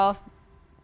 wifi saya masih